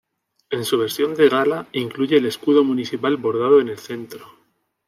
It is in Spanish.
En su versión de gala, incluye el escudo municipal bordado en el centro.